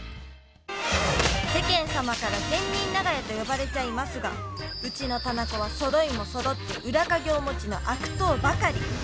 世間様から善人長屋と呼ばれちゃいますがうちの店子はそろいもそろって裏稼業持ちの悪党ばかり。